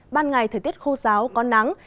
ban ngày thời tiết khô giáo có nắng